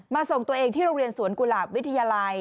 ส่งตัวเองที่โรงเรียนสวนกุหลาบวิทยาลัย